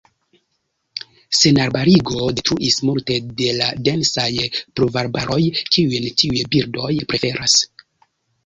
Senarbarigo detruis multe de la densaj pluvarbaroj kiujn tiuj birdoj preferas.